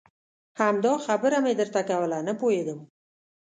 همدا خبره مې درته کوله نه پوهېدم.